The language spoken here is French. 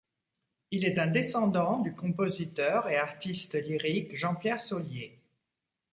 Il est un descendant du compositeur et artiste lyrique Jean-Pierre Solié.